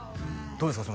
どうですか？